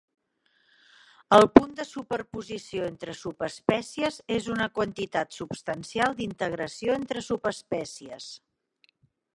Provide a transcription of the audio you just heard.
El punt de superposició entre subespècies és una quantitat substancial d'integració entre subespècies.